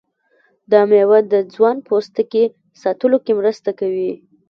دا میوه د ځوان پوستکي ساتلو کې مرسته کوي.